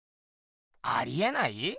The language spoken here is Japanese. ありえない？